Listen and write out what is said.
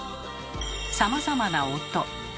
さまざまな「音」。